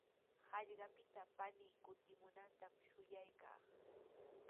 Hallqapita panii kutimunantami shuyaykaa.